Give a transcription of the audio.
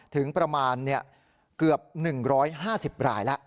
ถึงประมาณเกือบ๑๕๐รายแล้ว